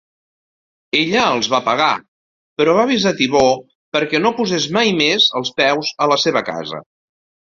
Ella els va pagar, però va avisar Thibault per que no poses mai més els peus a la seva casa.